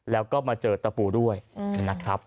แล้วก็มาเจอตะปูด้วยนะครับ